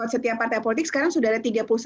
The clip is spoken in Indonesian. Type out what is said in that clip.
setiap partai politik sekarang sudah ada